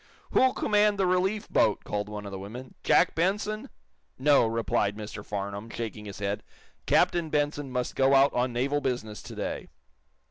"Who'll command the relief boat!" called one of the women. "Jack Benson?" "No," replied Mr. Farnum, shaking his head. "Captain Benson must go out on naval business to day."